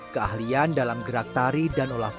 keahlian dalam gerak tari dan olah fungsi